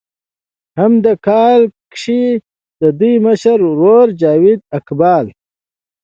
هم دې کال کښې د دوي مشر ورور جاويد اقبال